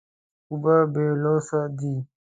اوبه بېلوث دي.